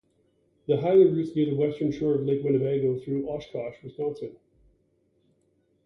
The highway routes near the western shore of Lake Winnebago through Oshkosh, Wisconsin.